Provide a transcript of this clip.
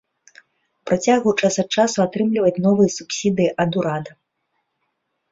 Працягваў час ад часу атрымліваць новыя субсідыі ад урада.